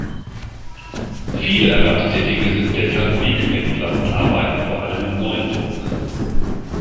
Viele Erwerbstätige sind deshalb Wegpendler und arbeiten vor allem in Neuenburg.